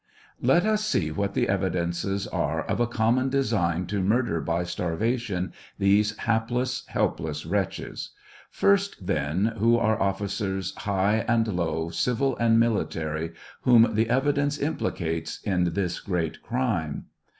Let us see what the evidences are of a commoa design to murder by starva tion these hapless, helpless wretches. First, then, who are officers, high and low, civil and military, whom the evidence implicates in this great crime